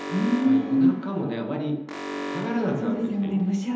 夜中もあまり下がらなくなってきている。